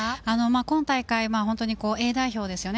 今大会はＡ代表ですよね。